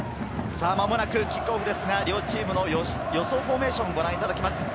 間もなくキックオフですが、両チームの予想フォーメーションをご覧いただきます。